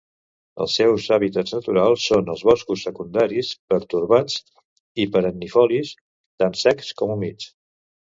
Els seus hàbitats naturals són els boscos secundaris, pertorbats i perennifolis, tant secs com humits.